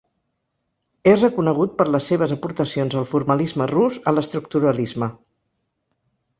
És reconegut per les seves aportacions al Formalisme rus a l'Estructuralisme.